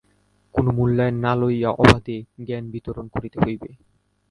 কোন মূল্য না লইয়া অবাধে জ্ঞানবিতরণ করিতে হইবে।